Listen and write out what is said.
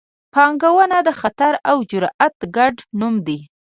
پانګونه د خطر او جرات ګډ نوم دی.